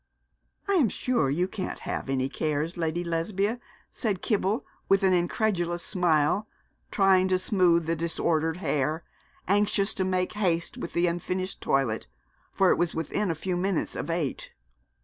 'I'm sure you can't have any cares, Lady Lesbia,' said Kibble, with an incredulous smile, trying to smooth the disordered hair, anxious to make haste with the unfinished toilet, for it was within a few minutes of eight.